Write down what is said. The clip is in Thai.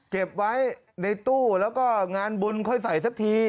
เก็บไว้ในตู้แล้วก็งานบุญค่อยใส่สักที